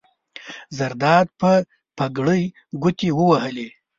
زرداد په پګړۍ ګوتې ووهلې.